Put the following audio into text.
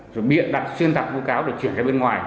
rồi biện đặt xuyên tặc vô cáo để chuyển ra bên ngoài